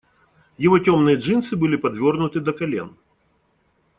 Его темные джинсы были подвёрнуты до колен.